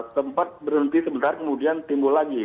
tempat berhenti sebentar kemudian timbul lagi